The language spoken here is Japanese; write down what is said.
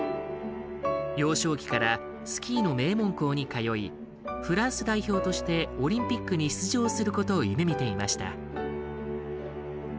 幼少期からスキーの名門校に通いフランス代表としてオリンピックに出場することを夢見ていました。